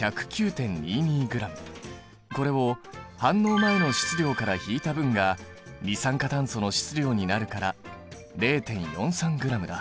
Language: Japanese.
これを反応前の質量から引いた分が二酸化炭素の質量になるから０．４３ｇだ。